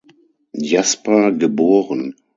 Jasper, geboren.